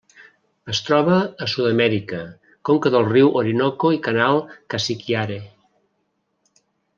Es troba a Sud-amèrica: conca del riu Orinoco i Canal Casiquiare.